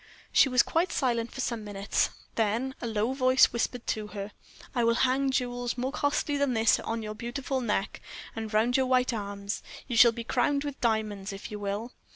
She was quite silent for some minutes, then a low voice whispered to her: "I will hang jewels more costly than this on your beautiful neck, and round your white arms; you shall be crowned with diamonds, if you will.